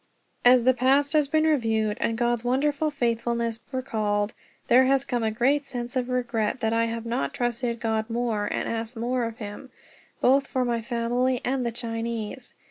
As the past has been reviewed, and God's wonderful faithfulness recalled, there has come a great sense of regret that I have not trusted God more, and asked more of him, both for my family and the Chinese.